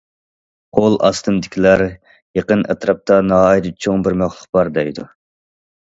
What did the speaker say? قول ئاستىمدىكىلەر« يېقىن ئەتراپتا ناھايىتى چوڭ بىر مەخلۇق بار» دەيدۇ.